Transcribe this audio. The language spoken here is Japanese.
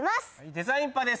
デザインぱです